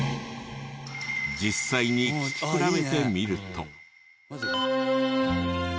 実際に聴き比べてみると。